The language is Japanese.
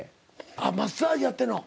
あっマッサージやってんの？